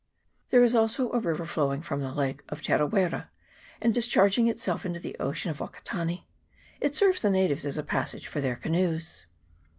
There is also a river flowing from the lake of Tera wera, and discharging itself into the ocean at Wakatane ; it serves the natives as a passage for their canoes.